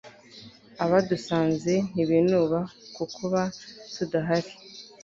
abadusanze ntibinuba kukuba tudahari